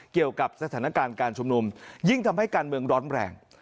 เกี่ยวกับสถานการณ์การชุมนุมยิ่งทำให้การเมืองร้อนแรง